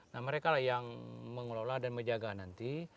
nah mereka lah yang mengelola dan menjaga nanti